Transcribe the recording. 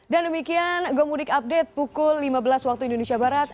dan demikian gomudik update pukul lima belas waktu indonesia barat